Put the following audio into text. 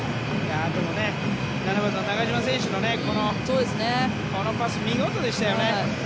でもね、７番の中島選手のこのパス、見事でしたよね。